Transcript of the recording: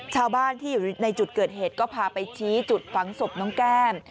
ชาวบ้านที่อยู่ในจุดเกิดเหตุก็พาไปชี้จุดฝังศพน้องแก้ม